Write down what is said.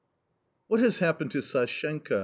"What has happened to Sashenka?"